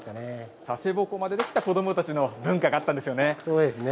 佐世保独楽でできた子どもたちの文化があったんですよね。